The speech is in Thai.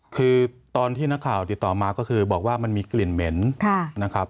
คือตอนที่นักข่าวติดต่อมาก็คือบอกว่ามันมีกลิ่นเหม็นนะครับ